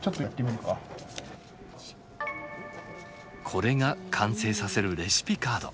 これが完成させるレシピカード。